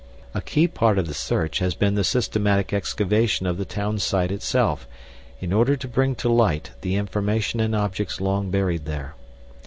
A key part of the search has been the systematic excavation of the townsite itself, in order to bring to light the information and objects long buried there.